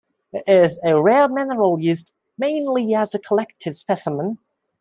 It is a rare mineral used mainly as a collectors specimen.